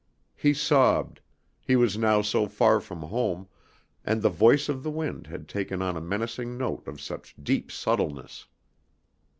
He sobbed, he was now so far from home, and the voice of the wind had taken on a menacing note of such deep subtleness.